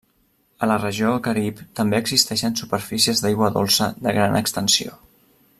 A la regió Carib també existeixen superfícies d'aigua dolça de gran extensió.